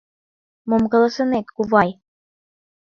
— Мом каласынет, кувай?